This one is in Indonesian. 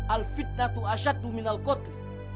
al fitnah tu'ashatu minal qotri